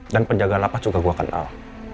dan penjaga lapas juga gue kenal